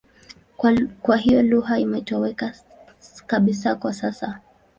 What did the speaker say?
Kwa hiyo lugha imetoweka kabisa kwa sasa.